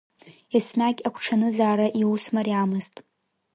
Еснагь агәҽанызаара иус мариамызт.